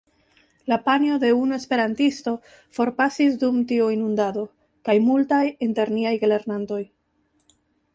La panjo de unu esperantisto forpasis dum tiu inundado, kaj multaj inter niaj gelernantoj.